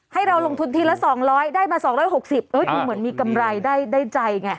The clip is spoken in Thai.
ให้เราลงทุนทีละสองร้อยได้มาสองร้อยหกสิบเออดูเหมือนมีกำไรได้ได้ใจไง